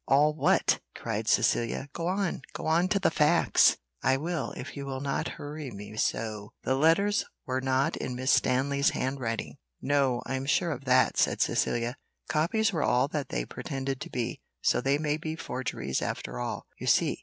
"All what?" cried Cecilia; "go on, go on to the facts." "I will, if you will not hurry me so. The letters were not in Miss Stanley's handwriting." "No! I am sure of that," said Cecilia. "Copies were all that they pretended to be; so they may be forgeries after all, you see."